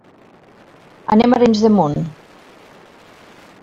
Anem a Arenys de Munt.